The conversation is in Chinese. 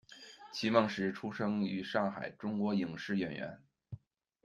奇梦石，出生于上海，中国影视演员。